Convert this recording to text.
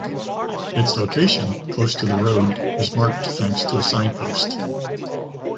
Its location, close to the road, is marked thanks to a signpost.